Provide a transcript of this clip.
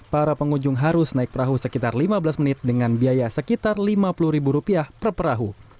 para pengunjung harus naik perahu sekitar lima belas menit dengan biaya sekitar lima puluh ribu rupiah per perahu